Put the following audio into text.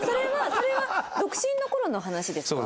それは独身の頃の話ですか？